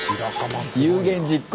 有言実行。